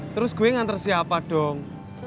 terus gue yang nganter siapa dong